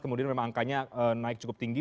kemudian memang angkanya naik cukup tinggi